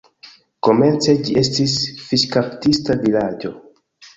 Komence ĝi estis fiŝkaptista vilaĝo.